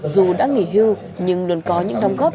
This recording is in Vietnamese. dù đã nghỉ hưu nhưng luôn có những đồng góp